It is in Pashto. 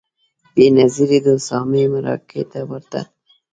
بېنظیرې د اسامه د مرکې ورته ویلي و.